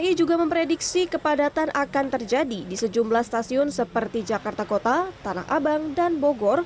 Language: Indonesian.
ini juga memprediksi kepadatan akan terjadi di sejumlah stasiun seperti jakarta kota tanah abang dan bogor